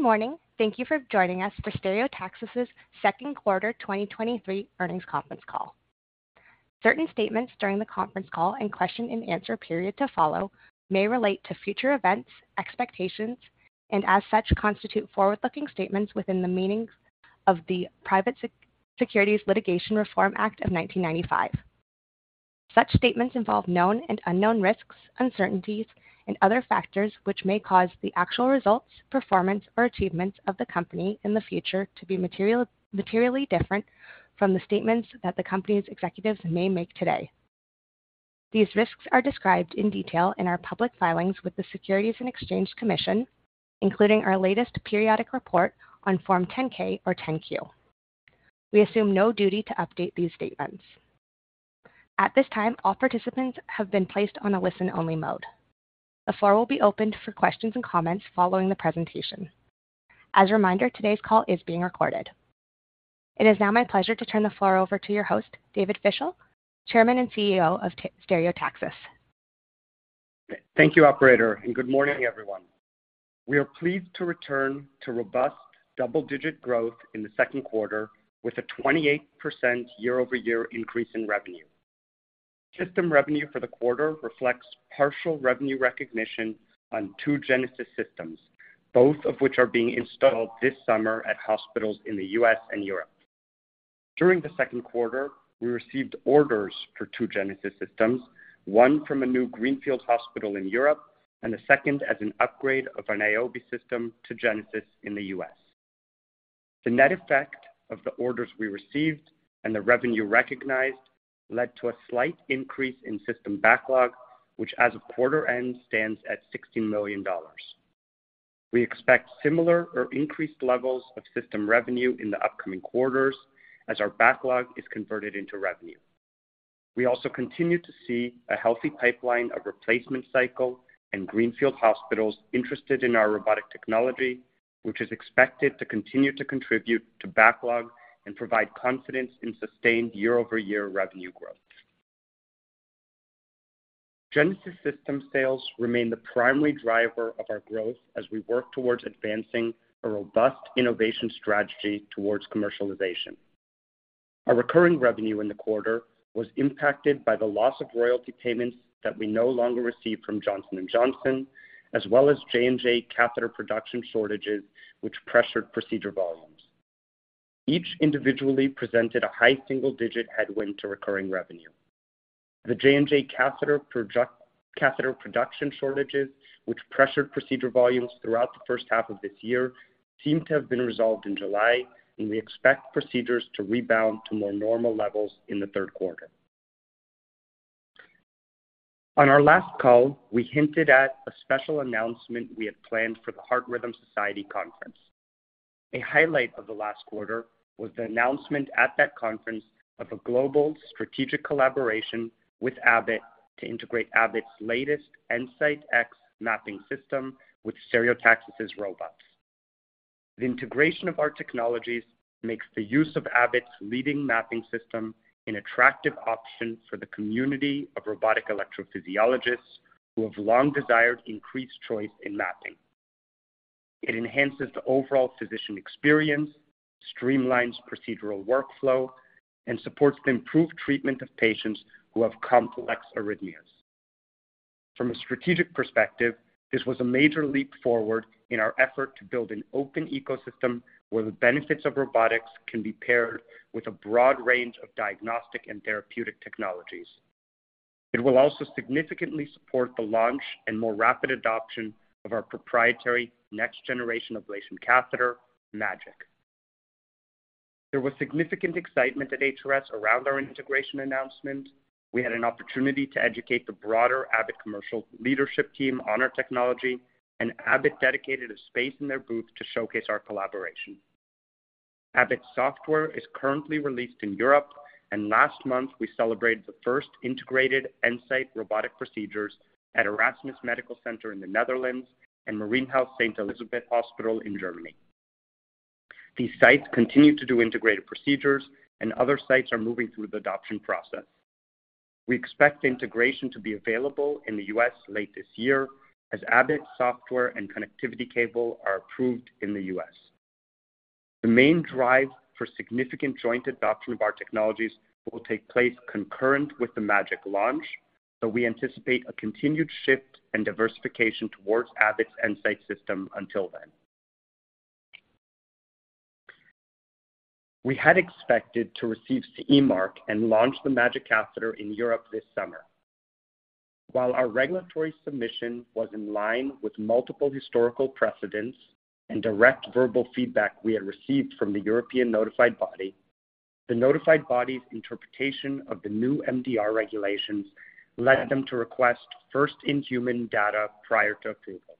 Good morning. Thank you for joining us for Stereotaxis' second quarter 2023 earnings conference call. Certain statements during the conference call and question-and-answer period to follow may relate to future events, expectations, and as such, constitute forward-looking statements within the meanings of the Private Securities Litigation Reform Act of 1995. Such statements involve known and unknown risks, uncertainties, and other factors which may cause the actual results, performance, or achievements of the company in the future to be materially, materially different from the statements that the company's executives may make today. These risks are described in detail in our public filings with the Securities and Exchange Commission, including our latest periodic report on Form 10-K or 10-Q. We assume no duty to update these statements. At this time, all participants have been placed on a listen-only mode. The floor will be opened for questions and comments following the presentation. As a reminder, today's call is being recorded. It is now my pleasure to turn the floor over to your host, David Fischel, Chairman and CEO of Stereotaxis. Thank you, operator, and good morning, everyone. We are pleased to return to robust double-digit growth in the second quarter with a 28% year-over-year increase in revenue. System revenue for the quarter reflects partial revenue recognition on two Genesis systems, both of which are being installed this summer at hospitals in the US and Europe. During the second quarter, we received orders for two Genesis systems, one from a new greenfield hospital in Europe and the 2nd as an upgrade of an Niobe system to Genesis in the US. The net effect of the orders we received and the revenue recognized led to a slight increase in system backlog, which as of quarter end, stands at $60 million. We expect similar or increased levels of system revenue in the upcoming quarters as our backlog is converted into revenue. We also continue to see a healthy pipeline of replacement cycle and greenfield hospitals interested in our robotic technology, which is expected to continue to contribute to backlog and provide confidence in sustained year-over-year revenue growth. Genesis system sales remain the primary driver of our growth as we work towards advancing a robust innovation strategy towards commercialization. Our recurring revenue in the quarter was impacted by the loss of royalty payments that we no longer receive from Johnson & Johnson, as well as J&J catheter production shortages, which pressured procedure volumes. Each individually presented a high single-digit headwind to recurring revenue. The J&J catheter production shortages, which pressured procedure volumes throughout the first half of this year, seem to have been resolved in July, and we expect procedures to rebound to more normal levels in the third quarter. On our last call, we hinted at a special announcement we had planned for the Heart Rhythm Society conference. A highlight of the last quarter was the announcement at that conference of a global strategic collaboration with Abbott to integrate Abbott's latest EnSite X mapping system with Stereotaxis' robots. The integration of our technologies makes the use of Abbott's leading mapping system an attractive option for the community of robotic electrophysiologists who have long desired increased choice in mapping. It enhances the overall physician experience, streamlines procedural workflow, and supports the improved treatment of patients who have complex arrhythmias. From a strategic perspective, this was a major leap forward in our effort to build an open ecosystem where the benefits of robotics can be paired with a broad range of diagnostic and therapeutic technologies. It will also significantly support the launch and more rapid adoption of our proprietary next generation of ablation catheter, MAGiC. There was significant excitement at HRS around our integration announcement. We had an opportunity to educate the broader Abbott commercial leadership team on our technology, and Abbott dedicated a space in their booth to showcase our collaboration. Abbott's software is currently released in Europe, and last month we celebrated the first integrated EnSite robotic procedures at Erasmus Medical Center in the Netherlands and Marienhaus St. Elisabeth Hospital in Germany. These sites continue to do integrated procedures, and other sites are moving through the adoption process. We expect integration to be available in the U.S. late this year as Abbott's software and connectivity cable are approved in the U.S. The main drive for significant joint adoption of our technologies will take place concurrent with the MAGiC launch, so we anticipate a continued shift and diversification towards Abbott's EnSite system until then. We had expected to receive CE mark and launch the MAGiC catheter in Europe this summer. While our regulatory submission was in line with multiple historical precedents and direct verbal feedback we had received from the European notified body, the notified body's interpretation of the new MDR regulations led them to request first in-human data prior to approval.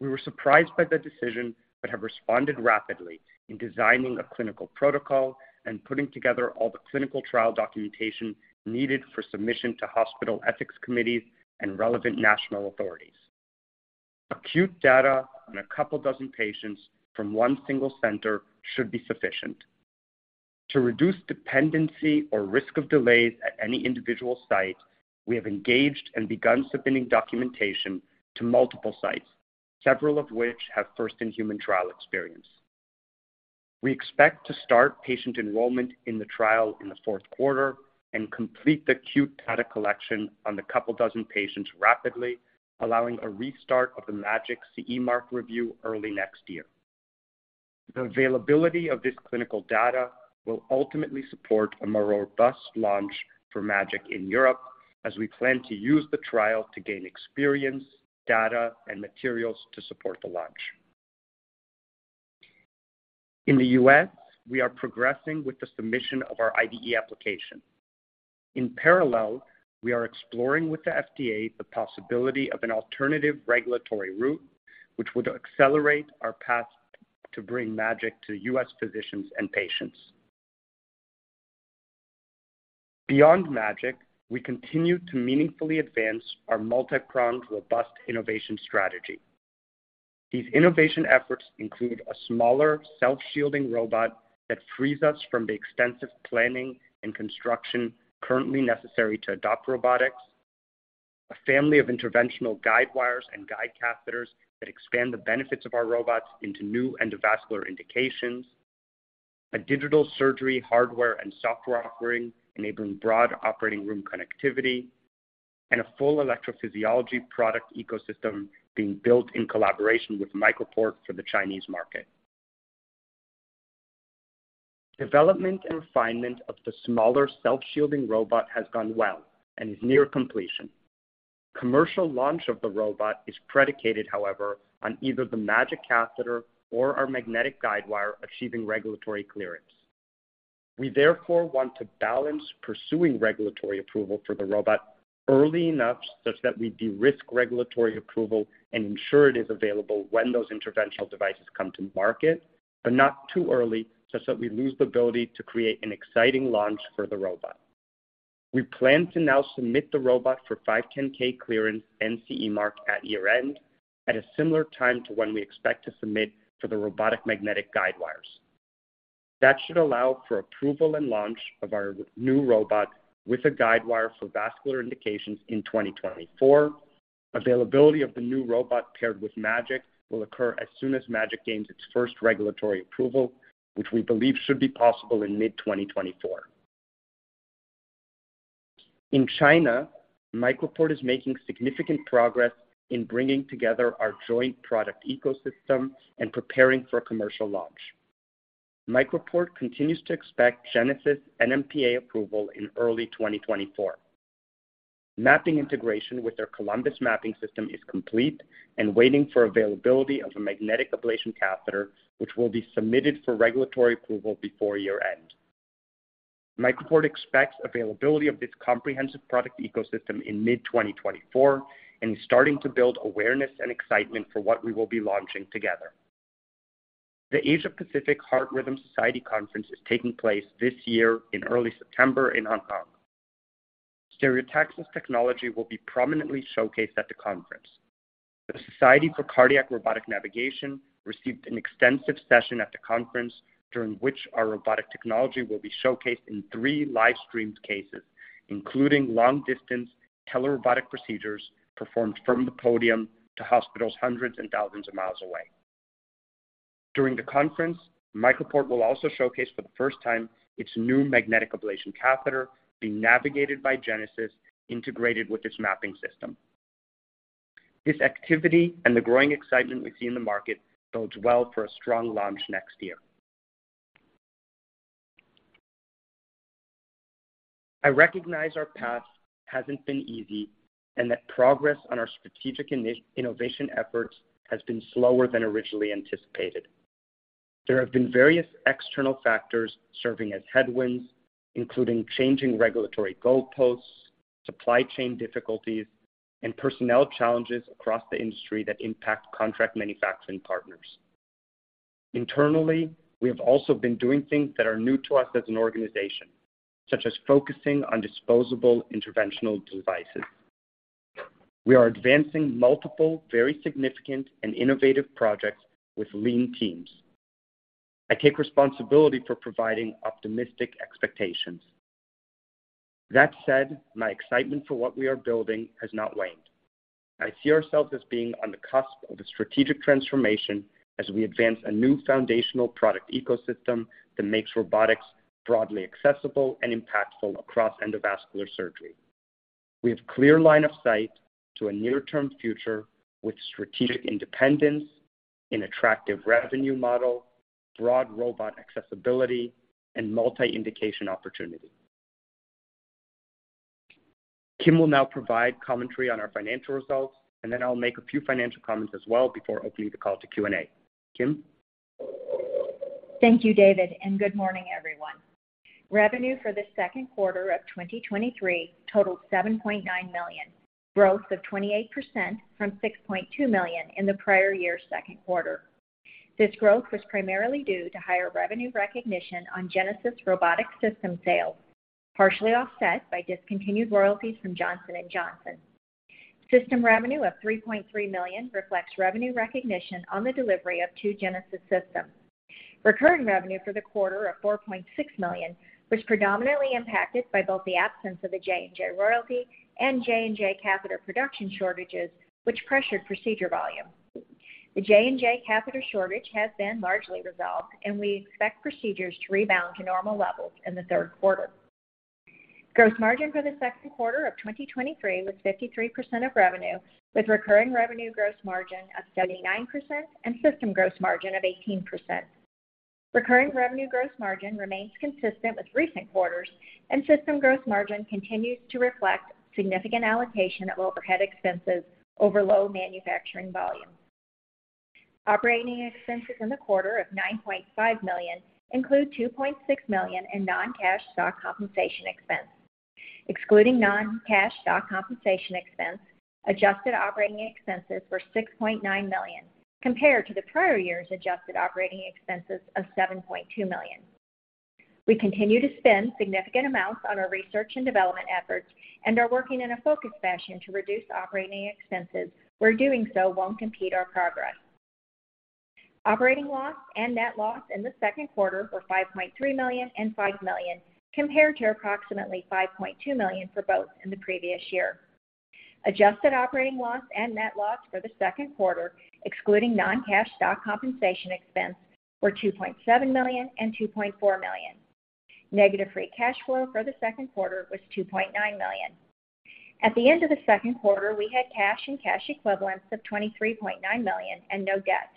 We were surprised by the decision, but have responded rapidly in designing a clinical protocol and putting together all the clinical trial documentation needed for submission to hospital ethics committees and relevant national authorities. Acute data on two dozen patients from one single center should be sufficient.... To reduce dependency or risk of delays at any individual site, we have engaged and begun submitting documentation to multiple sites, several of which have first-in-human trial experience. We expect to start patient enrollment in the trial in the fourth quarter and complete the acute data collection on the couple dozen patients rapidly, allowing a restart of the MAGiC CE Mark review early next year. The availability of this clinical data will ultimately support a more robust launch for MAGiC in Europe, as we plan to use the trial to gain experience, data, and materials to support the launch. In the US, we are progressing with the submission of our IDE application. In parallel, we are exploring with the FDA the possibility of an alternative regulatory route, which would accelerate our path to bring MAGiC to US physicians and patients. Beyond MAGIC, we continue to meaningfully advance our multi-pronged, robust innovation strategy. These innovation efforts include a smaller, self-shielding robot that frees us from the extensive planning and construction currently necessary to adopt robotics, a family of interventional guide wires and guide catheters that expand the benefits of our robots into new endovascular indications, a digital surgery, hardware, and software offering, enabling broad operating room connectivity, and a full electrophysiology product ecosystem being built in collaboration with MicroPort for the Chinese market. Development and refinement of the smaller self-shielding robot has gone well and is near completion. Commercial launch of the robot is predicated, however, on either the MAGIC catheter or our magnetic guide wire achieving regulatory clearance. We therefore want to balance pursuing regulatory approval for the robot early enough such that we de-risk regulatory approval and ensure it is available when those interventional devices come to market, but not too early, such that we lose the ability to create an exciting launch for the robot. We plan to now submit the robot for 510(k) clearance and CE mark at year-end, at a similar time to when we expect to submit for the robotic magnetic guidewires. That should allow for approval and launch of our new robot with a guidewire for vascular indications in 2024. Availability of the new robot paired with MAGiC will occur as soon as MAGiC gains its first regulatory approval, which we believe should be possible in mid-2024. In China, MicroPort is making significant progress in bringing together our joint product ecosystem and preparing for a commercial launch. MicroPort continues to expect Genesis NMPA approval in early 2024. Mapping integration with their Columbus mapping system is complete and waiting for availability of a magnetic ablation catheter, which will be submitted for regulatory approval before year-end. MicroPort expects availability of this comprehensive product ecosystem in mid-2024 and is starting to build awareness and excitement for what we will be launching together. The Asia Pacific Heart Rhythm Society Conference is taking place this year in early September in Hong Kong. Stereotaxis technology will be prominently showcased at the conference. The Society for Cardiac Robotic Navigation received an extensive session at the conference, during which our robotic technology will be showcased in three live-streamed cases, including long-distance telerobotic procedures performed from the podium to hospitals hundreds and thousands of miles away. During the conference, MicroPort will also showcase for the first time, its new magnetic ablation catheter being navigated by Genesis, integrated with its mapping system. This activity and the growing excitement we see in the market bodes well for a strong launch next year. I recognize our path hasn't been easy and that progress on our strategic innovation efforts has been slower than originally anticipated. There have been various external factors serving as headwinds, including changing regulatory goalposts, supply chain difficulties, and personnel challenges across the industry that impact contract manufacturing partners. Internally, we have also been doing things that are new to us as an organization, such as focusing on disposable interventional devices. We are advancing multiple, very significant and innovative projects with lean teams. I take responsibility for providing optimistic expectations. That said, my excitement for what we are building has not waned. I see ourselves as being on the cusp of a strategic transformation as we advance a new foundational product ecosystem that makes robotics broadly accessible and impactful across endovascular surgery. We have clear line of sight to a near-term future with strategic independence, an attractive revenue model, broad robot accessibility, and multi-indication opportunity. Kim will now provide commentary on our financial results, and then I'll make a few financial comments as well before opening the call to Q&A. Kim? Thank you, David, and good morning, everyone. Revenue for the second quarter of 2023 totaled $7.9 million, growth of 28% from $6.2 million in the prior year's second quarter. This growth was primarily due to higher revenue recognition on Genesis robotic system sales, partially offset by discontinued royalties from Johnson & Johnson. System revenue of $3.3 million reflects revenue recognition on the delivery of two Genesis systems. Recurring revenue for the quarter of $4.6 million was predominantly impacted by both the absence of a J&J royalty and J&J catheter production shortages, which pressured procedure volume. The J&J catheter shortage has been largely resolved, and we expect procedures to rebound to normal levels in the third quarter. Gross margin for the second quarter of 2023 was 53% of revenue, with recurring revenue gross margin of 79% and system gross margin of 18%. Recurring revenue gross margin remains consistent with recent quarters, and system gross margin continues to reflect significant allocation of overhead expenses over low manufacturing volume. Operating expenses in the quarter of $9.5 million include $2.6 million in non-cash stock compensation expense. Excluding non-cash stock compensation expense, adjusted operating expenses were $6.9 million, compared to the prior year's adjusted operating expenses of $7.2 million. We continue to spend significant amounts on our research and development efforts and are working in a focused fashion to reduce operating expenses where doing so won't impede our progress. Operating loss and net loss in the second quarter were $5.3 million and $5 million, compared to approximately $5.2 million for both in the previous year. Adjusted operating loss and net loss for the second quarter, excluding non-cash stock compensation expense, were $2.7 million and $2.4 million. Negative free cash flow for the second quarter was $2.9 million. At the end of the second quarter, we had cash and cash equivalents of $23.9 million and no debt.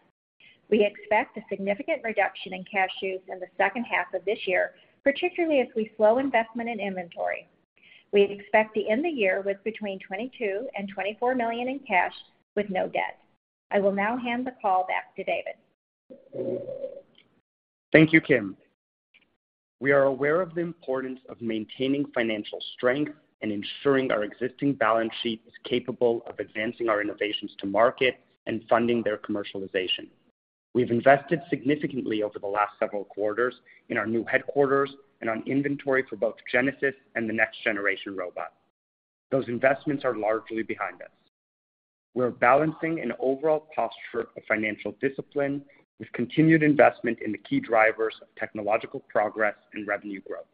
We expect a significant reduction in cash use in the second half of this year, particularly as we slow investment in inventory. We expect to end the year with between $22 million and $24 million in cash with no debt. I will now hand the call back to David. Thank you, Kim. We are aware of the importance of maintaining financial strength and ensuring our existing balance sheet is capable of advancing our innovations to market and funding their commercialization. We've invested significantly over the last several quarters in our new headquarters and on inventory for both Genesis and the next generation robot. Those investments are largely behind us. We're balancing an overall posture of financial discipline with continued investment in the key drivers of technological progress and revenue growth.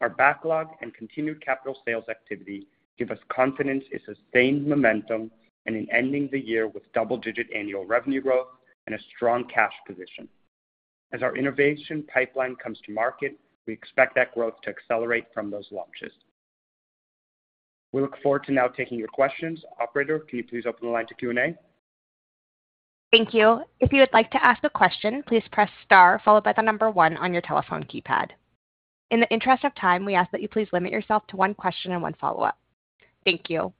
Our backlog and continued capital sales activity give us confidence in sustained momentum and in ending the year with double-digit annual revenue growth and a strong cash position. As our innovation pipeline comes to market, we expect that growth to accelerate from those launches. We look forward to now taking your questions. Operator, can you please open the line to Q&A? Thank you. If you would like to ask a question, please press star followed by one on your telephone keypad. In the interest of time, we ask that you please limit yourself to one question and one follow-up. Thank you.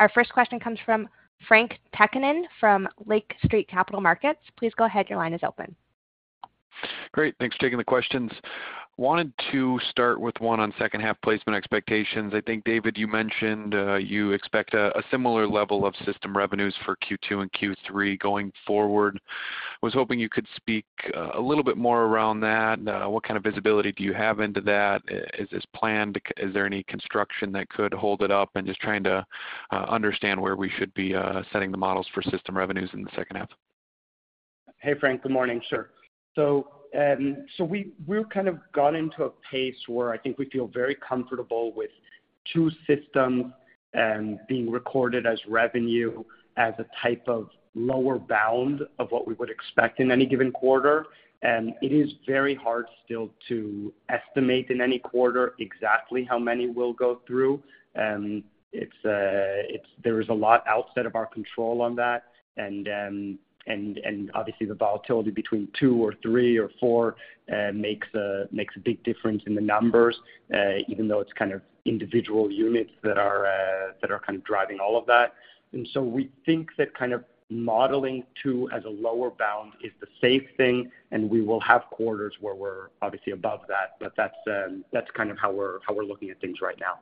Our first question comes from Frank Takkinen from Lake Street Capital Markets. Please go ahead. Your line is open. Great, thanks for taking the questions. Wanted to start with one on second half placement expectations. I think, David, you mentioned you expect a similar level of system revenues for Q2 and Q3 going forward. I was hoping you could speak a little bit more around that. What kind of visibility do you have into that? Is planned, is there any construction that could hold it up? Just trying to understand where we should be setting the models for system revenues in the second half. Hey, Frank. Good morning, sir. So we've kind of got into a pace where I think we feel very comfortable with two systems being recorded as revenue as a type of lower bound of what we would expect in any given quarter. It is very hard still to estimate in any quarter exactly how many will go through. It's a, it's there is a lot outside of our control on that. And obviously, the volatility between two or three or four makes a big difference in the numbers, even though it's kind of individual units that are that are kind of driving all of that. We think that kind of modeling, too, as a lower bound is the safe thing, and we will have quarters where we're obviously above that, but that's kind of how we're, how we're looking at things right now.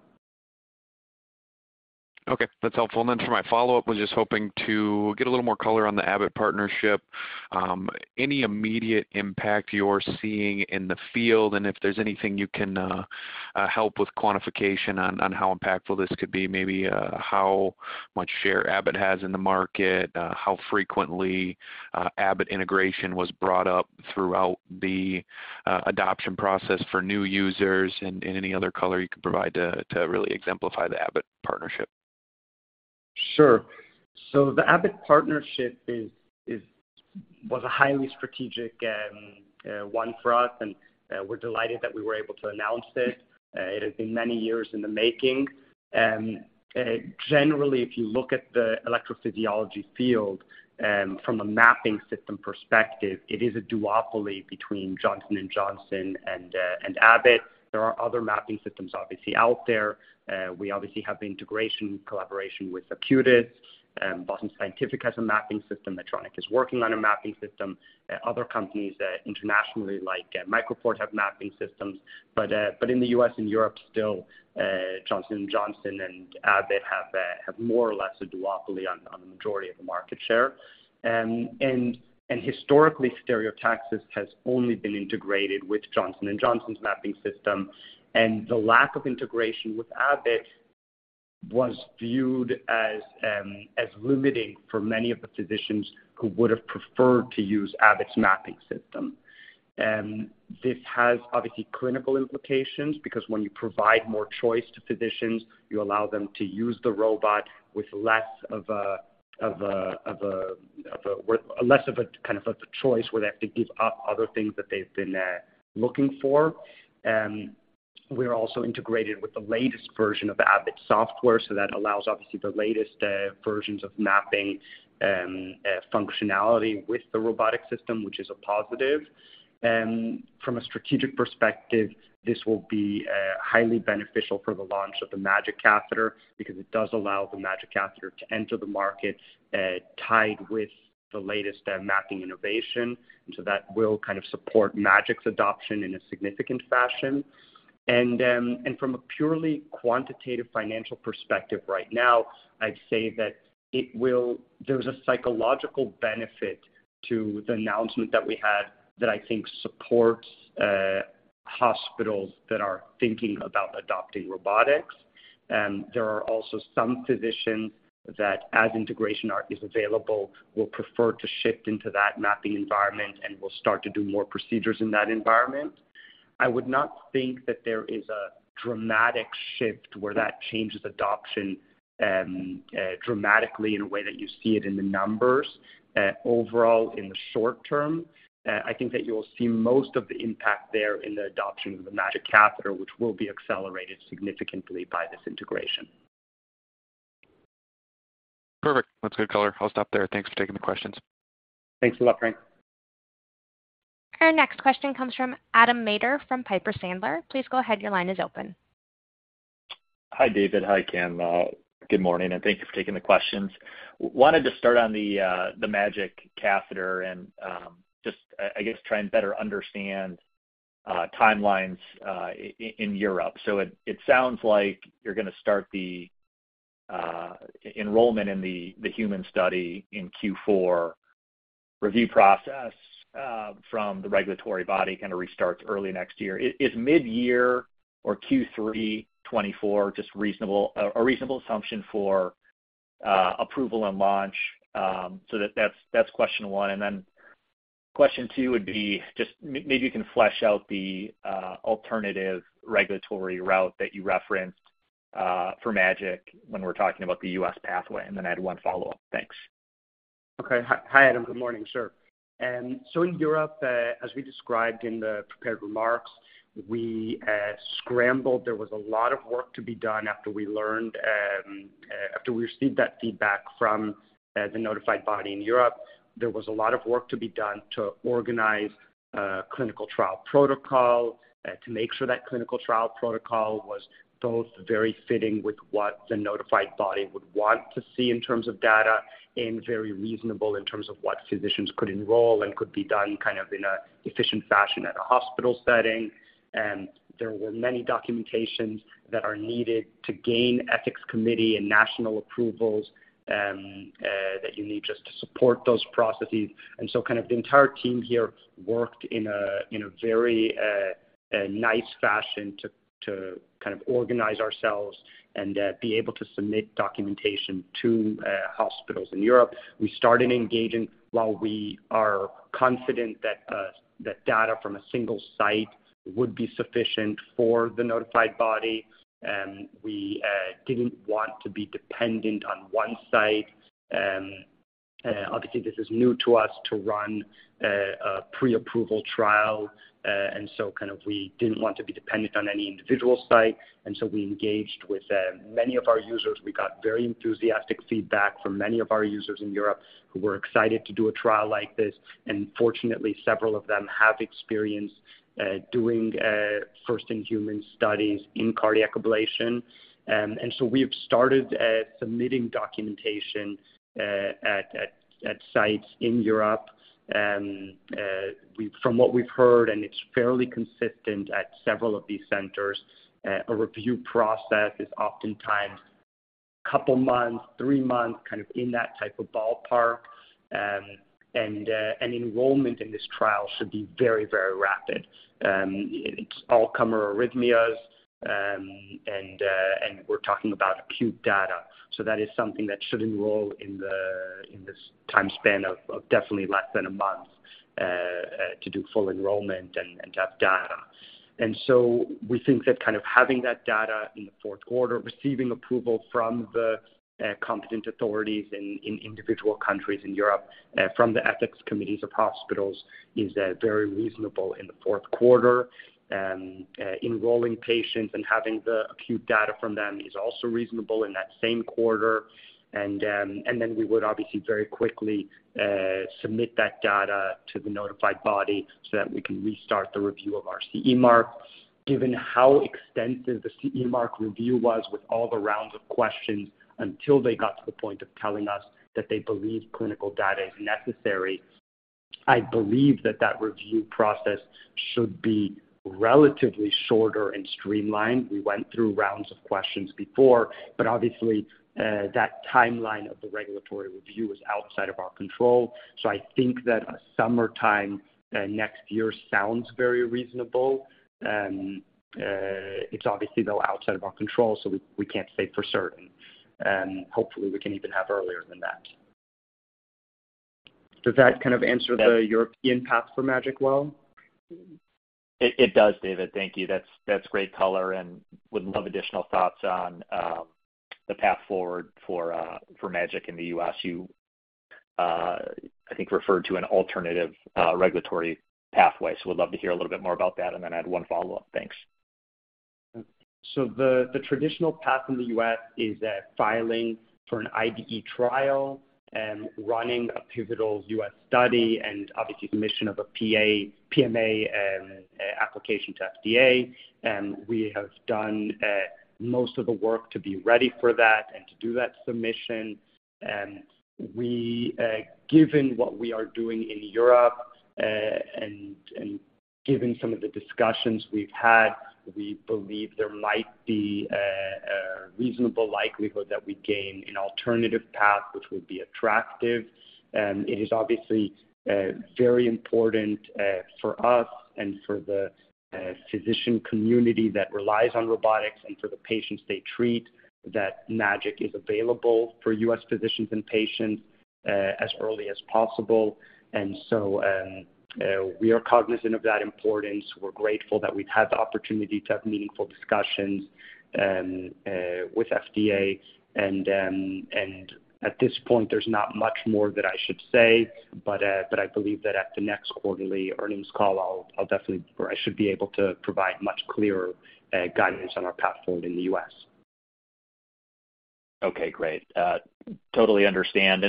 Okay, that's helpful. Then for my follow-up, I was just hoping to get a little more color on the Abbott partnership. Any immediate impact you're seeing in the field, and if there's anything you can help with quantification on, on how impactful this could be, maybe how much share Abbott has in the market, how frequently Abbott integration was brought up throughout the adoption process for new users, and any other color you could provide to, to really exemplify the Abbott partnership. Sure. The Abbott partnership is, is... Was a highly strategic one for us, we're delighted that we were able to announce it. It has been many years in the making. Generally, if you look at the electrophysiology field, from a mapping system perspective, it is a duopoly between Johnson & Johnson and Abbott. There are other mapping systems obviously out there. We obviously have the integration collaboration with Acutus, Boston Scientific has a mapping system. Medtronic is working on a mapping system. Other companies, internationally, like MicroPort, have mapping systems. In the US and Europe, still, Johnson & Johnson and Abbott have more or less a duopoly on, on the majority of the market share. And historically, Stereotaxis has only been integrated with Johnson & Johnson's mapping system, and the lack of integration with Abbott was viewed as, as limiting for many of the physicians who would have preferred to use Abbott's mapping system. This has, obviously, clinical implications because when you provide more choice to physicians, you allow them to use the robot with less of a, of a, of a, of a, less of a kind of a choice where they have to give up other things that they've been looking for. We're also integrated with the latest version of the Abbott software, so that allows obviously the latest versions of mapping functionality with the robotic system, which is a positive. From a strategic perspective, this will be highly beneficial for the launch of the MAGiC catheter because it does allow the MAGiC catheter to enter the market, tied with the latest mapping innovation. That will kind of support MAGiC's adoption in a significant fashion. From a purely quantitative financial perspective right now, I'd say that there's a psychological benefit to the announcement that we had that I think supports hospitals that are thinking about adopting robotics. There are also some physicians that, as integration arc is available, will prefer to shift into that mapping environment and will start to do more procedures in that environment. I would not think that there is a dramatic shift where that changes adoption dramatically in a way that you see it in the numbers overall, in the short term. I think that you will see most of the impact there in the adoption of the MAGiC catheter, which will be accelerated significantly by this integration. Perfect. That's good color. I'll stop there. Thanks for taking the questions. Thanks a lot, Frank. Our next question comes from Adam Maeder from Piper Sandler. Please go ahead. Your line is open. Hi, David. Hi, Kim. Good morning, and thank you for taking the questions. Wanted to start on the MAGiC catheter and just, I, I guess, try and better understand timelines in Europe. It sounds like you're going to start the enrollment in the human study in Q4. Review process from the regulatory body kind of restarts early next year. Is mid-year or Q3 2024 just reasonable, a reasonable assumption for approval and launch? That's, that's question one. Question two would be just maybe you can flesh out the alternative regulatory route that you referenced for MAGiC when we're talking about the US pathway, and then I had 1 follow-up. Thanks. Okay. Hi, Adam. Good morning, sir. In Europe, as we described in the prepared remarks, we scrambled. There was a lot of work to be done after we learned, after we received that feedback from the notified body in Europe. There was a lot of work to be done to organize a clinical trial protocol, to make sure that clinical trial protocol was both very fitting with what the notified body would want to see in terms of data, and very reasonable in terms of what physicians could enroll and could be done kind of in a efficient fashion at a hospital setting. There were many documentations that are needed to gain ethics committee and national approvals, that you need just to support those processes. Kind of the entire team here worked in a, in a very nice fashion to, to kind of organize ourselves and be able to submit documentation to hospitals in Europe. We started engaging. While we are confident that data from a single site would be sufficient for the notified body, we didn't want to be dependent on one site. Obviously, this is new to us to run a pre-approval trial, and so kind of we didn't want to be dependent on any individual site, and so we engaged with many of our users. We got very enthusiastic feedback from many of our users in Europe who were excited to do a trial like this, and fortunately, several of them have experience doing first-in-human studies in cardiac ablation. We've started submitting documentation at sites in Europe. From what we've heard, and it's fairly consistent at several of these centers, a review process is oftentimes two months, three months, kind of in that type of ballpark. Enrollment in this trial should be very, very rapid. It's all comer arrhythmias, we're talking about acute data. That is something that should enroll in this time span of definitely less than one month to do full enrollment and have data. We think that kind of having that data in the fourth quarter, receiving approval from the competent authorities in individual countries in Europe, from the ethics committees of hospitals, is very reasonable in the fourth quarter. Enrolling patients and having the acute data from them is also reasonable in that same quarter. We would obviously very quickly submit that data to the notified body so that we can restart the review of our CE mark. Given how extensive the CE mark review was with all the rounds of questions until they got to the point of telling us that they believe clinical data is necessary, I believe that that review process should be relatively shorter and streamlined. We went through rounds of questions before, obviously, that timeline of the regulatory review is outside of our control. I think that a summertime next year sounds very reasonable. It's obviously, though, outside of our control, so we, we can't say for certain. Hopefully, we can even have earlier than that. Does that kind of answer the European path for MAGiC well? It, it does, David, thank you. That's, that's great color. Would love additional thoughts on the path forward for MAGiC in the US. You, I think referred to an alternative regulatory pathway. We'd love to hear a little bit more about that. I had one follow-up. Thanks. The traditional path in the US is that filing for an IDE trial and running a pivotal US study, and obviously submission of a PMA application to FDA. We have done most of the work to be ready for that and to do that submission. We, given what we are doing in Europe, and given some of the discussions we've had, we believe there might be a reasonable likelihood that we gain an alternative path, which would be attractive. It is obviously very important for us and for the physician community that relies on robotics and for the patients they treat, that MAGiC is available for US physicians and patients as early as possible. We are cognizant of that importance. We're grateful that we've had the opportunity to have meaningful discussions with FDA. At this point, there's not much more that I should say, but I believe that at the next quarterly earnings call, I'll, I'll definitely, or I should be able to provide much clearer guidance on our path forward in the US. Okay, great. Totally understand.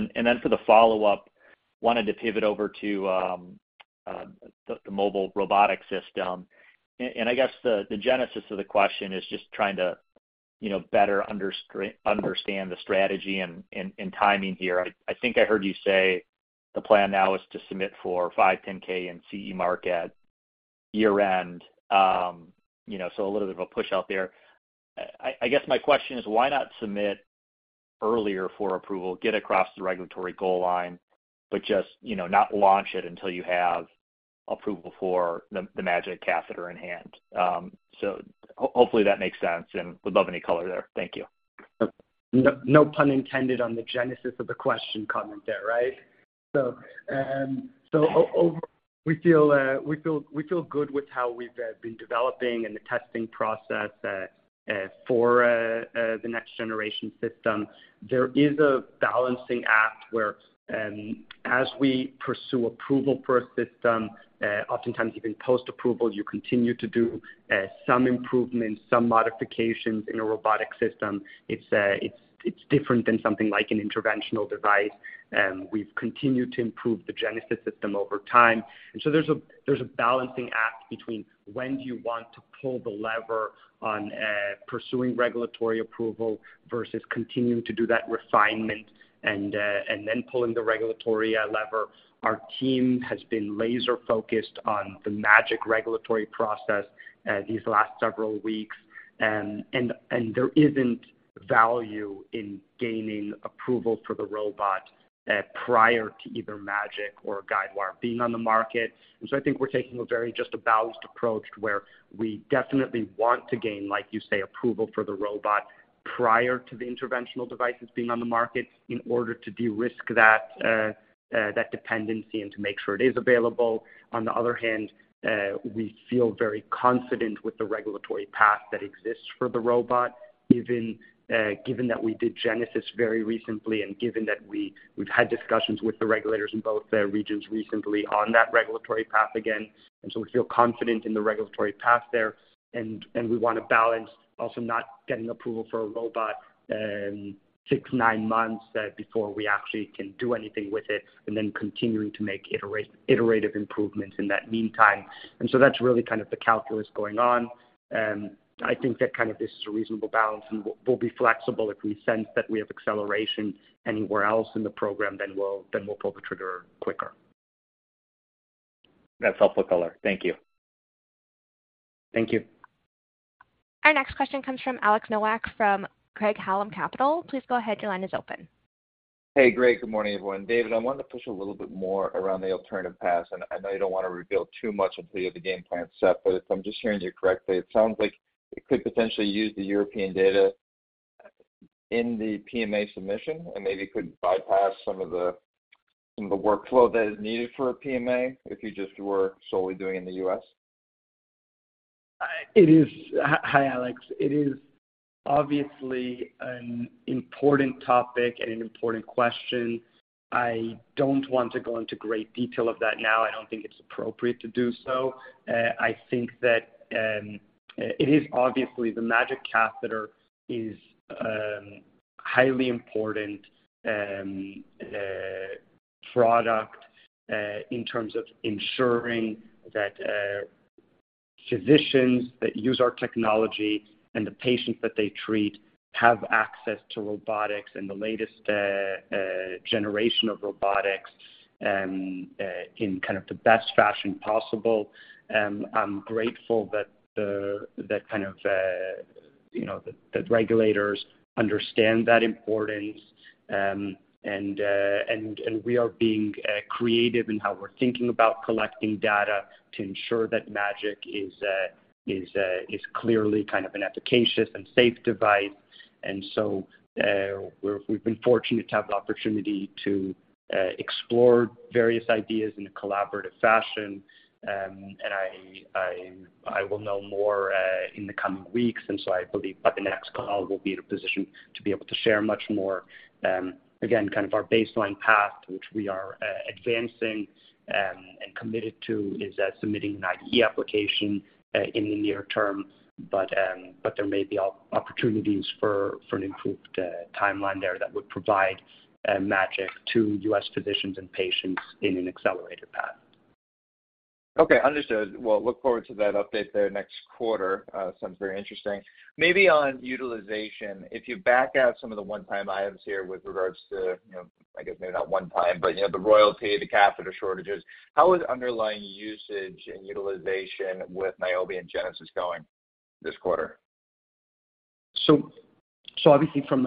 Then for the follow-up, wanted to pivot over to the mobile robotic system. I guess the genesis of the question is just trying to, you know, better understand the strategy and timing here. I think I heard you say the plan now is to submit for 510(k) and CE mark at year-end. You know, a little bit of a push out there. I guess my question is, why not submit earlier for approval, get across the regulatory goal line, but just, you know, not launch it until you have approval for the MAGiC catheter in hand? Hopefully, that makes sense, and would love any color there. Thank you. No, no pun intended on the genesis of the question comment there, right? We feel, we feel, we feel good with how we've been developing and the testing process for the next generation system. There is a balancing act where, as we pursue approval for a system, oftentimes even post-approval, you continue to do some improvements, some modifications in a robotic system. It's, it's, it's different than something like an interventional device, and we've continued to improve the Genesis system over time. There's a, there's a balancing act between when do you want to pull the lever on pursuing regulatory approval versus continuing to do that refinement and then pulling the regulatory lever. Our team has been laser-focused on the MAGiC regulatory process these last several weeks. There isn't value in gaining approval for the robot prior to either MAGiC or guidewire being on the market. I think we're taking a very just a balanced approach, where we definitely want to gain, like you say, approval for the robot prior to the interventional devices being on the market in order to de-risk that dependency and to make sure it is available. On the other hand, we feel very confident with the regulatory path that exists for the robot, even given that we did Genesis very recently, and given that we've had discussions with the regulators in both their regions recently on that regulatory path again. We feel confident in the regulatory path there, and, and we want to balance also not getting approval for a robot, six, nine months before we actually can do anything with it, and then continuing to make iterative improvements in that meantime. That's really kind of the calculus going on. I think that kind of this is a reasonable balance, and we'll, we'll be flexible if we sense that we have acceleration anywhere else in the program, then we'll, then we'll pull the trigger quicker. That's helpful color. Thank you. Thank you. Our next question comes from Alexander Nowak, from Craig-Hallum Capital. Please go ahead. Your line is open. Hey, great. Good morning, everyone. David, I wanted to push a little bit more around the alternative paths, and I know you don't want to reveal too much until you have the game plan set, but if I'm just hearing you correctly, it sounds like you could potentially use the European data in the PMA submission and maybe could bypass some of the, some of the workflow that is needed for a PMA if you just were solely doing it in the US? It is. Hi, Alex. It is obviously an important topic and an important question. I don't want to go into great detail of that now. I don't think it's appropriate to do so. I think that it is obviously the MAGiC catheter is highly important product in terms of ensuring that physicians that use our technology and the patients that they treat have access to robotics and the latest generation of robotics in kind of the best fashion possible. I'm grateful that the, that kind of, you know, the regulators understand that importance. We are being creative in how we're thinking about collecting data to ensure that MAGiC is a, is a, is clearly kind of an efficacious and safe device. We're- we've been fortunate to have the opportunity to explore various ideas in a collaborative fashion. I, I, I will know more in the coming weeks, and so I believe by the next call, we'll be in a position to be able to share much more. Again, kind of our baseline path, which we are advancing and committed to, is submitting an IDE application in the near term. But there may be op- opportunities for, for an improved timeline there that would provide MAGiC to US physicians and patients in an accelerated path. Okay, understood. Well, look forward to that update there next quarter. Sounds very interesting. Maybe on utilization, if you back out some of the one-time items here with regards to, you know, I guess maybe not one time, but, you know, the royalty, the catheter shortages. How is underlying usage and utilization with Niobe and Genesis going this quarter? Obviously from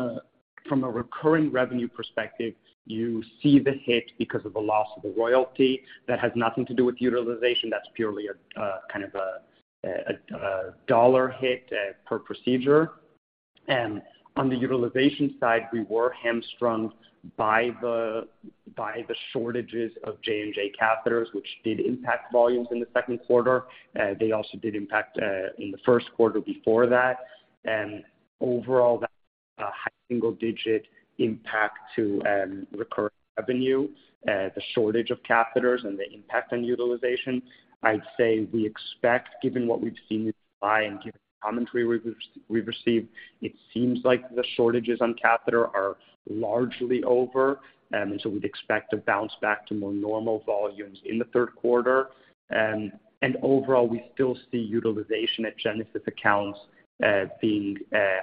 a recurring revenue perspective, you see the hit because of the loss of the royalty. That has nothing to do with utilization. That's purely a kind of a $1 hit per procedure. On the utilization side, we were hamstrung by the shortages of J&J catheters, which did impact volumes in the second quarter. They also did impact in the first quarter before that. Overall, that a high single-digit impact to recurring revenue, the shortage of catheters and the impact on utilization. I'd say we expect, given what we've seen this high and given the commentary we've received, it seems like the shortages on catheter are largely over. We'd expect to bounce back to more normal volumes in the third quarter. Overall, we still see utilization at Genesis accounts, being,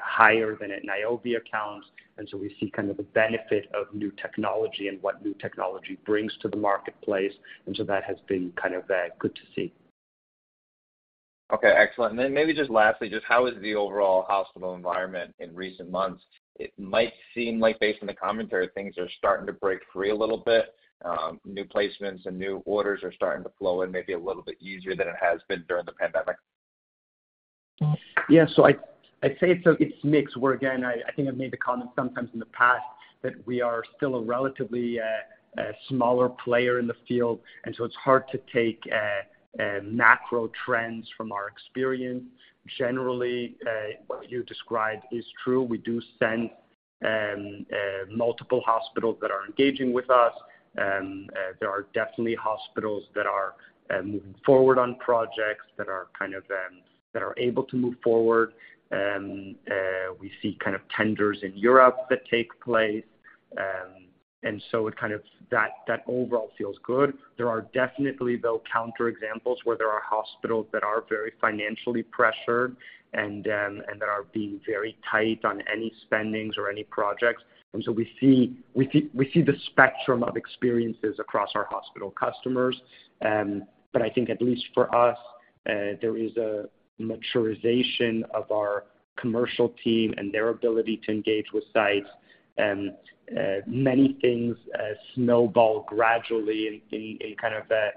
higher than at Niobe accounts, and so we see kind of the benefit of new technology and what new technology brings to the marketplace, and so that has been kind of, good to see. Okay, excellent. Then maybe just lastly, just how is the overall hospital environment in recent months? It might seem like based on the commentary, things are starting to break free a little bit. New placements and new orders are starting to flow in maybe a little bit easier than it has been during the pandemic. I'd say it's a, it's mixed, where, again, I, I think I've made the comment sometimes in the past, that we are still a relatively smaller player in the field, and it's hard to take macro trends from our experience. Generally, what you described is true. We do sense multiple hospitals that are engaging with us. There are definitely hospitals that are moving forward on projects that are kind of that are able to move forward. We see kind of tenders in Europe that take place, and it kind of... That, that overall feels good. There are definitely, though, counter examples where there are hospitals that are very financially pressured and that are being very tight on any spendings or any projects. We see, we see, we see the spectrum of experiences across our hospital customers. I think at least for us, there is a maturization of our commercial team and their ability to engage with sites. Many things snowball gradually in, in, in kind of a,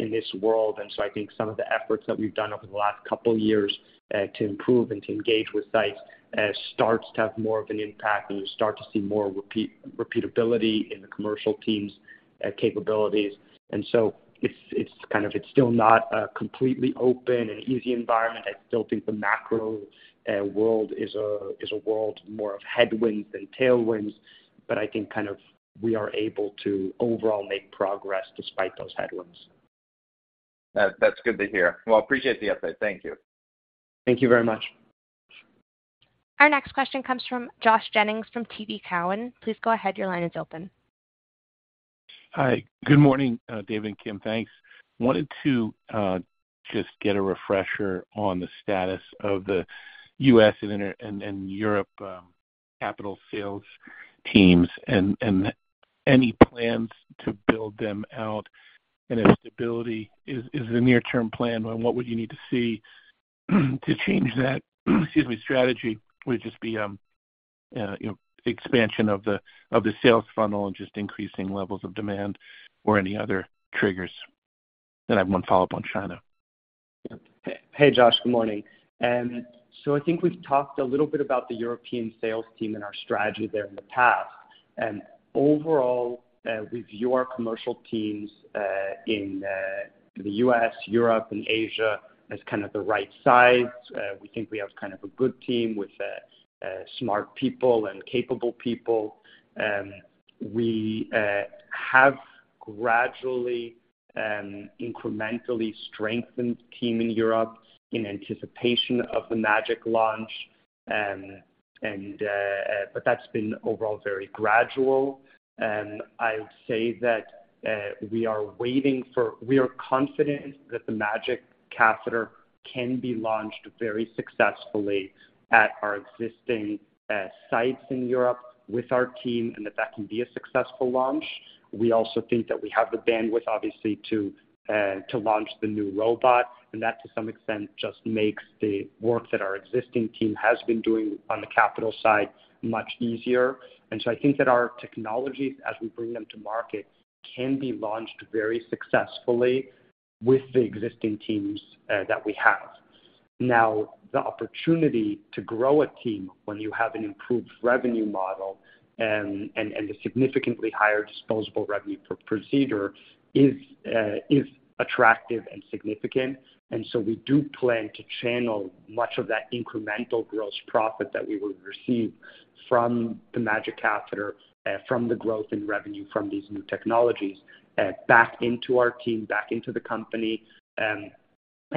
in this world. I think some of the efforts that we've done over the last couple of years, to improve and to engage with sites, starts to have more of an impact, and you start to see more repeatability in the commercial teams' capabilities. It's, it's kind of, it's still not a completely open and easy environment. I still think the macro world is a, is a world more of headwinds than tailwinds, but I think kind of we are able to overall make progress despite those headwinds. That, that's good to hear. Well, I appreciate the update. Thank you. Thank you very much. Our next question comes from Joshua Jennings, from TD Cowen. Please go ahead. Your line is open. Hi. Good morning, Dave and Kim. Thanks. Wanted to just get a refresher on the status of the US and Europe capital sales teams and any plans to build them out, and if stability is a near-term plan, what would you need to see, to change that, excuse me, strategy? Would it just be, you know, expansion of the sales funnel and just increasing levels of demand or any other triggers? I have 1 follow-up on China. Hey, Josh, good morning. I think we've talked a little bit about the European sales team and our strategy there in the past. Overall, we view our commercial teams in the U.S., Europe, and Asia as kind of the right size. We think we have kind of a good team with smart people and capable people. We have gradually incrementally strengthened the team in Europe in anticipation of the MAGiC launch. That's been overall very gradual. I would say that we are confident that the MAGiC catheter can be launched very successfully at our existing sites in Europe with our team, and that that can be a successful launch. We also think that we have the bandwidth, obviously, to to launch the new robot, and that to some extent just makes the work that our existing team has been doing on the capital side much easier. So I think that our technologies, as we bring them to market, can be launched very successfully with the existing teams that we have. Now, the opportunity to grow a team when you have an improved revenue model and, and, and a significantly higher disposable revenue per procedure is attractive and significant. So we do plan to channel much of that incremental gross profit that we will receive from the MAGiC catheter, from the growth in revenue from these new technologies, back into our team, back into the company.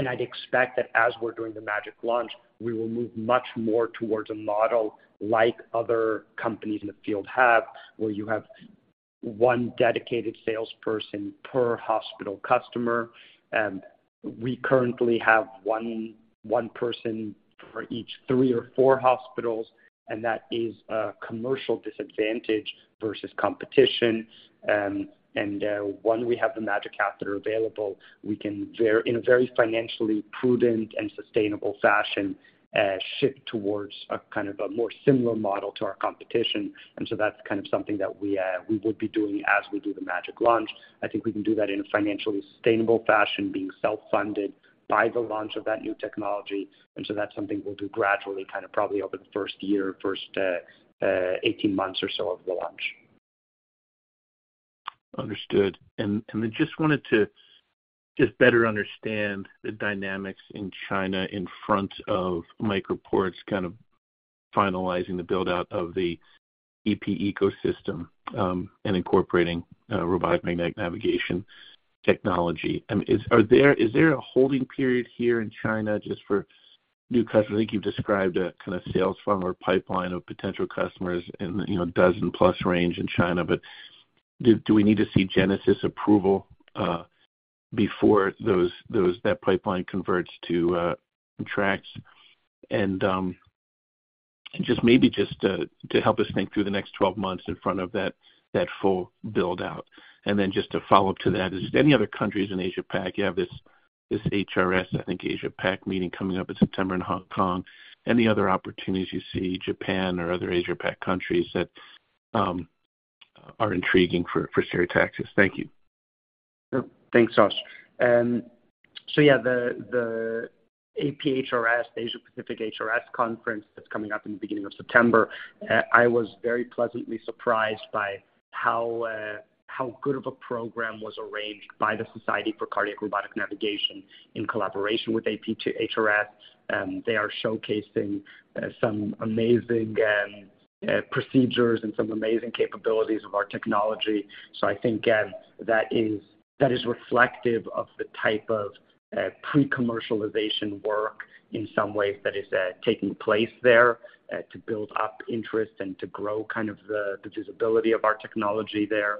I'd expect that as we're doing the MAGiC launch, we will move much more towards a model like other companies in the field have, where you have 1 dedicated salesperson per hospital customer. We currently have one, one person for each three or four hospitals, and that is a commercial disadvantage versus competition. When we have the MAGiC catheter available, we can very, in a very financially prudent and sustainable fashion, shift towards a kind of a more similar model to our competition. That's kind of something that we, we would be doing as we do the MAGiC launch. I think we can do that in a financially sustainable fashion, being self-funded by the launch of that new technology. That's something we'll do gradually, kind of probably over the first year, first, 18 months or so of the launch. Understood. I just wanted to just better understand the dynamics in China in front of MicroPort's kind of finalizing the build-out of the EP ecosystem, and incorporating, robotic magnetic navigation technology. Are there, is there a holding period here in China just for new customers? I think you've described a kind of sales funnel or pipeline of potential customers in, you know, a 12 plus range in China. Do, do we need to see Genesis approval, before those, those, that pipeline converts to, contracts? Just maybe just, to help us think through the next 12 months in front of that, that full build-out. Then just to follow up to that, is any other countries in Asia Pac, you have this, this HRS, I think Asia Pac meeting coming up in September in Hong Kong. Any other opportunities you see, Japan or other Asia Pac countries that are intriguing for, for Stereotaxis? Thank you. Sure. Thanks, Josh. Yeah, the, the APHRS, the Asia Pacific HRS conference, that's coming up in the beginning of September. I was very pleasantly surprised by how good of a program was arranged by the Society for Cardiac Robotic Navigation in collaboration with APHRS. They are showcasing some amazing procedures and some amazing capabilities of our technology. I think that is, that is reflective of the type of pre-commercialization work in some ways that is taking place there to build up interest and to grow kind of the, the visibility of our technology there.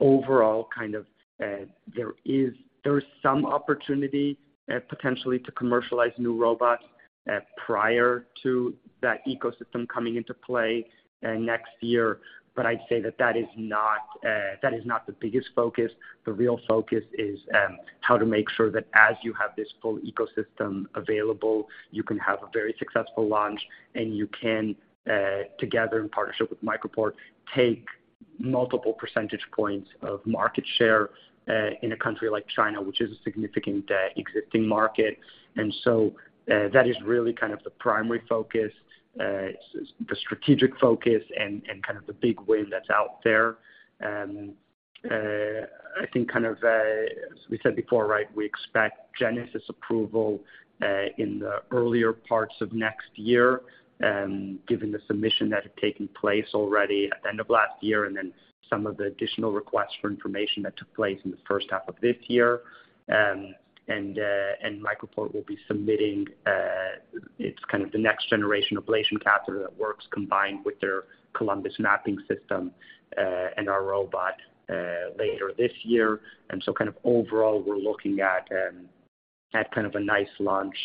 Overall, kind of, there is, there is some opportunity, potentially to commercialize new robots, prior to that ecosystem coming into play, next year. I'd say that that is not, that is not the biggest focus. The real focus is how to make sure that as you have this full ecosystem available, you can have a very successful launch, and you can, together in partnership with MicroPort, take multiple percentage points of market share in a country like China, which is a significant existing market. That is really kind of the primary focus, the strategic focus and, and kind of the big win that's out there. I think kind of, as we said before, right, we expect Genesis approval in the earlier parts of next year, given the submission that had taken place already at the end of last year, and then some of the additional requests for information that took place in the first half of this year. MicroPort will be submitting, it's kind of the next generation ablation catheter that works combined with their Columbus mapping system, and our robot, later this year. Kind of overall, we're looking at, at kind of a nice launch,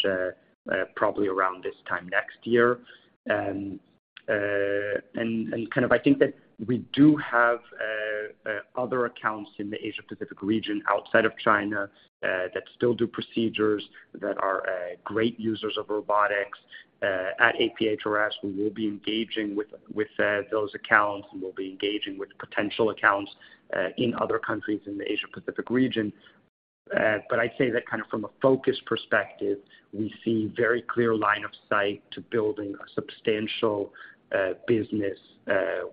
probably around this time next year. Kind of I think that we do have other accounts in the Asia Pacific region outside of China, that still do procedures, that are great users of robotics. At APHRS, we will be engaging with, with, those accounts, and we'll be engaging with potential accounts, in other countries in the Asia Pacific region. I'd say that kind of from a focus perspective, we see very clear line of sight to building a substantial, business,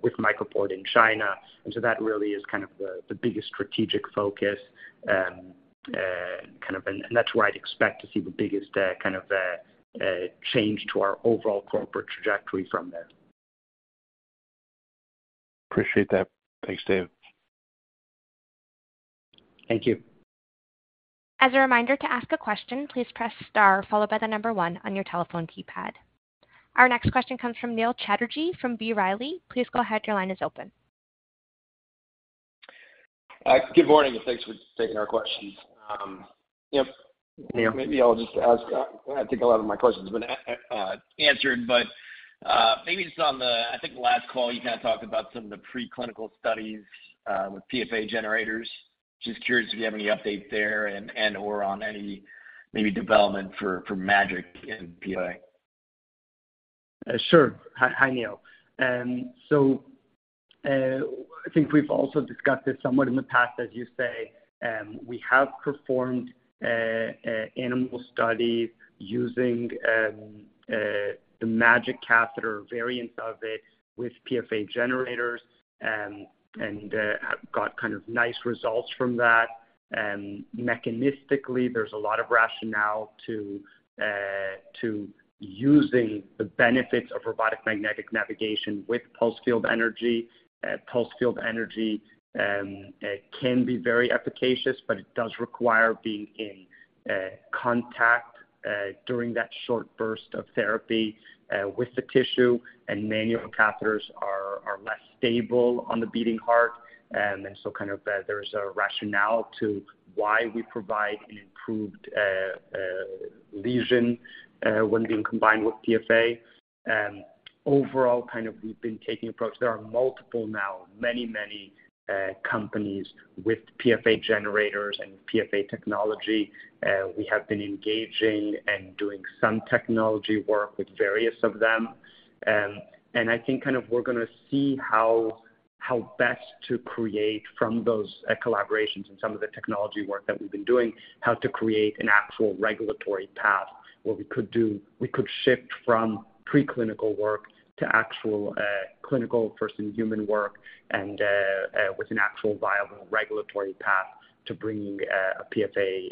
with MicroPort in China. So that really is kind of the biggest strategic focus, and that's where I'd expect to see the biggest change to our overall corporate trajectory from there. Appreciate that. Thanks, Dave. Thank you. As a reminder, to ask a question, please press star followed by the number 1 on your telephone keypad. Our next question comes from Neil Chatterji from B. Riley. Please go ahead. Your line is open. Good morning, and thanks for taking our questions. Yep. Hey. Maybe I'll just ask, I think a lot of my question's been answered, but maybe just on the... I think last call, you kinda talked about some of the preclinical studies with PFA generators. Just curious if you have any update there and, and or on any maybe development for MAGiC in PFA. Sure. Hi, hi, Neil. I think we've also discussed this somewhat in the past, as you say, we have performed animal studies using the MAGiC catheter variant of it with PFA generators, and have got kind of nice results from that. Mechanistically, there's a lot of rationale to using the benefits of robotic magnetic navigation with pulse field energy. Pulse field energy can be very efficacious, but it does require being in contact during that short burst of therapy with the tissue, and manual catheters are less stable on the beating heart. Kind of, there's a rationale to why we provide an improved lesion when being combined with PFA. Overall, kind of we've been taking approach. There are multiple now, many, many companies with PFA generators and PFA technology. We have been engaging and doing some technology work with various of them. I think kind of we're gonna see how, how best to create from those collaborations and some of the technology work that we've been doing, how to create an actual regulatory path. What we could do, we could shift from preclinical work to actual clinical first-in-human work, and with an actual viable regulatory path to bringing a PFA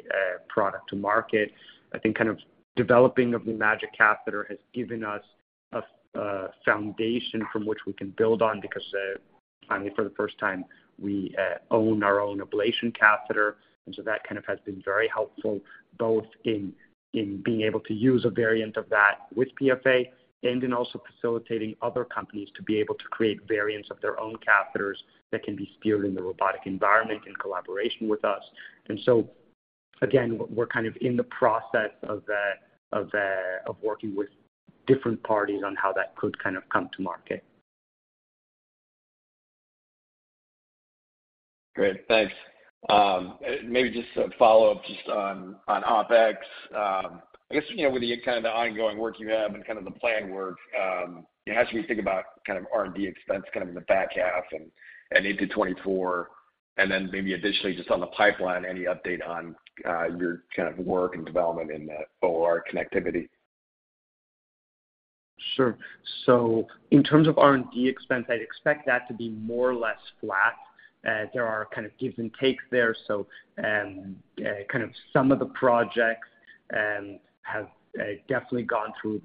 product to market. I think kind of developing of the MAGiC catheter has given us a, a foundation from which we can build on, because finally, for the first time, we own our own ablation catheter. That kind of has been very helpful, both in, in being able to use a variant of that with PFA, and in also facilitating other companies to be able to create variants of their own catheters that can be steered in the robotic environment in collaboration with us. Again, we're kind of in the process of working with different parties on how that could kind of come to market. Great. Thanks. Maybe just a follow-up just on OpEx. I guess, you know, with the kind of the ongoing work you have and kind of the plan work, it has me think about kind of R&D expense kind of in the back half and into 2024. Then maybe additionally, just on the pipeline, any update on your kind of work and development in the OR connectivity? Sure. In terms of R&D expense, I'd expect that to be more or less flat. There are kind of gives and takes there, so kind of some of the projects have definitely gone through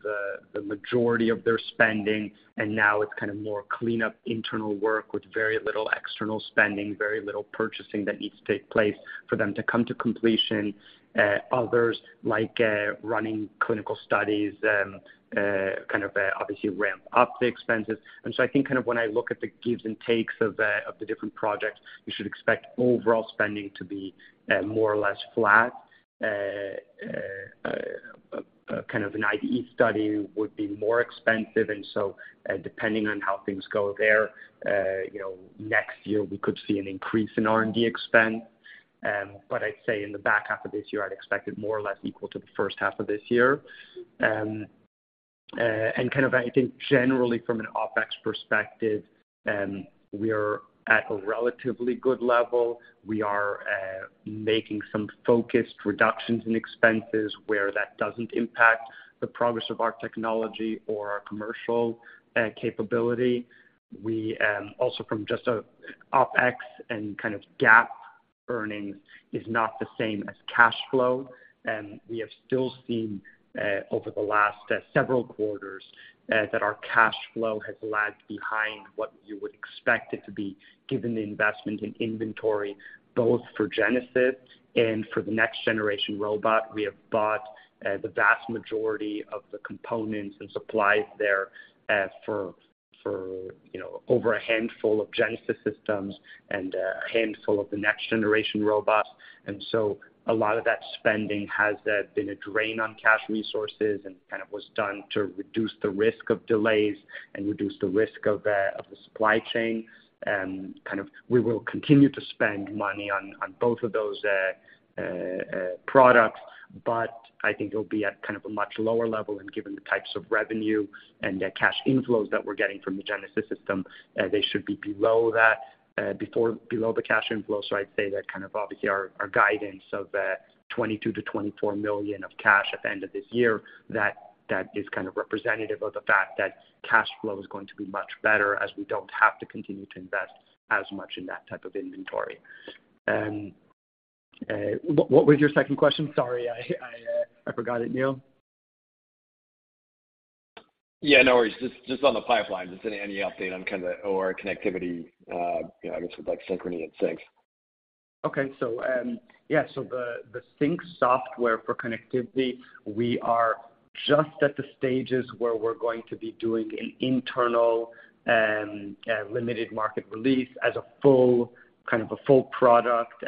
the majority of their spending, and now it's kind of more cleanup internal work with very little external spending, very little purchasing that needs to take place for them to come to completion. Others, like running clinical studies, kind of obviously ramp up the expenses. I think kind of when I look at the gives and takes of the different projects, we should expect overall spending to be more or less flat. kind of an IDE study would be more expensive, and so, depending on how things go there, you know, next year we could see an increase in R&D expense. I'd say in the back half of this year, I'd expect it more or less equal to the first half of this year. kind of, I think generally from an OpEx perspective, we are at a relatively good level. We are making some focused reductions in expenses where that doesn't impact the progress of our technology or our commercial capability. We also from just a OpEx and kind of GAAP earnings is not the same as cash flow, and we have still seen over the last several quarters that our cash flow has lagged behind what you would expect it to be, given the investment in inventory, both for Genesis and for the next generation robot. We have bought the vast majority of the components and supplies there for, you know, over a handful of Genesis systems and a handful of the next generation robots. A lot of that spending has been a drain on cash resources and kind of was done to reduce the risk of delays and reduce the risk of the supply chain. kind of we will continue to spend money on, on both of those products, but I think it'll be at kind of a much lower level. Given the types of revenue and the cash inflows that we're getting from the Genesis system, they should be below that, before, below the cash inflows. I'd say that kind of obviously our, our guidance of $22 million-$24 million of cash at the end of this year, that, that is kind of representative of the fact that cash flow is going to be much better, as we don't have to continue to invest as much in that type of inventory. What was your second question? Sorry, I, I, I forgot it, Neil. Yeah, no worries. Just, just on the pipeline, just any, any update on kind of OR connectivity, you know, I guess with, like, Synchrony and Sync? Yeah, the Sync software for connectivity, we are just at the stages where we're going to be doing an internal and limited market release as a full product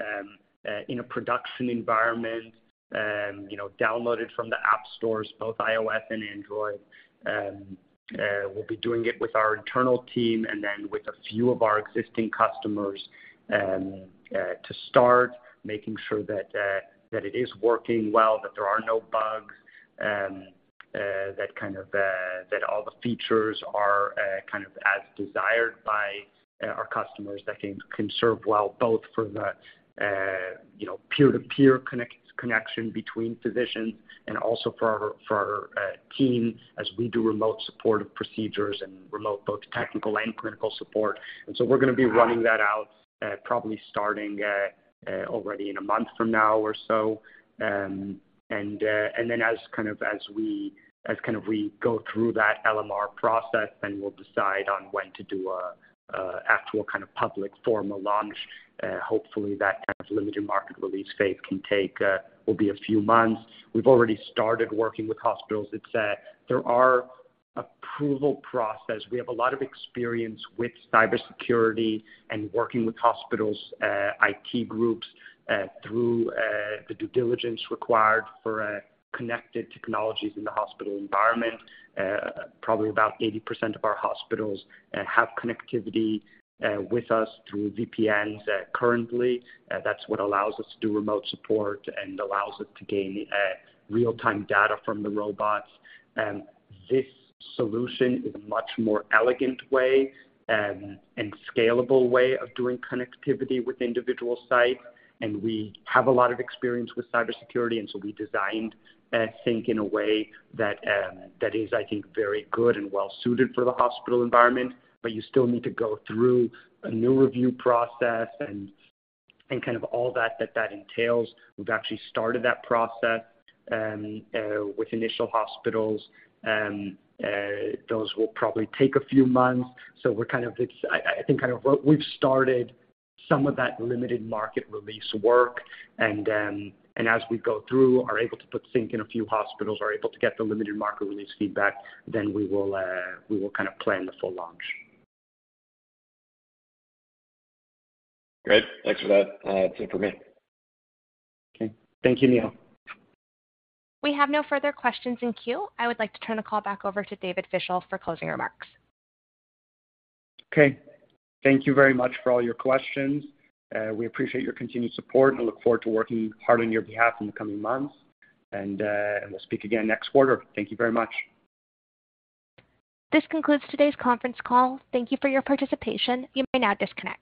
in a production environment. You know, downloaded from the app stores, both iOS and Android. We'll be doing it with our internal team and then with a few of our existing customers to start making sure that it is working well, that there are no bugs, that all the features are as desired by our customers. That can serve well, both for the, you know, peer-to-peer connection between physicians and also for our team, as we do remote supportive procedures and remote, both technical and clinical support. We're gonna be running that out, probably starting, already in 1 month from now or so. As we go through that LMR process, then we'll decide on when to do a actual kind of public formal launch. Hopefully, that kind of limited market release phase can take, will be a few months. We've already started working with hospitals. It's, there are approval process. We have a lot of experience with cybersecurity and working with hospitals, IT groups, through the due diligence required for connected technologies in the hospital environment. Probably about 80% of our hospitals have connectivity with us through VPNs currently. that's what allows us to do remote support and allows us to gain real-time data from the robots. This solution is a much more elegant way and, and scalable way of doing connectivity with individual sites. We have a lot of experience with cybersecurity, and so we designed Synchrony in a way that, that is, I think, very good and well suited for the hospital environment. You still need to go through a new review process and, and kind of all that, that, that entails. We've actually started that process with initial hospitals, and those will probably take a few months. We're kind of it's. I, I think kind of we've started some of that limited market release work, and, and as we go through, are able to put Sync in a few hospitals, are able to get the limited market release feedback, then we will, we will kind of plan the full launch. Great. Thanks for that, that's it for me. Okay. Thank you, Neil. We have no further questions in queue. I would like to turn the call back over to David Fischel for closing remarks. Okay. Thank you very much for all your questions. We appreciate your continued support, and we look forward to working hard on your behalf in the coming months. We'll speak again next quarter. Thank you very much. This concludes today's conference call. Thank you for your participation. You may now disconnect.